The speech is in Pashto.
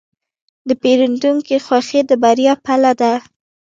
د پیرودونکي خوښي د بریا پله ده.